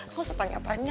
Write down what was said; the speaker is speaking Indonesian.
gak usah tanya tanya